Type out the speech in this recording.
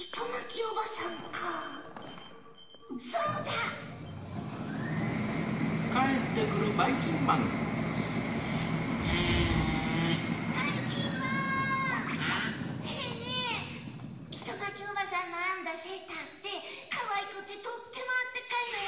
おばさんのあんだセーターってかわいくてとってもあったかいのよ。